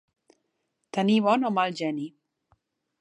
Tenir bon o mal geni.